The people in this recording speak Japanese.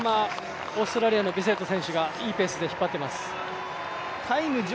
そのままオーストラリアのビセット選手がいいペースで引っ張っています。